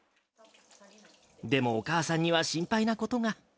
でもお母さんには心配なことが。